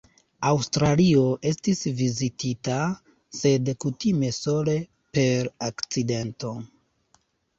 Aŭstralio estis vizitita, sed kutime sole per akcidento.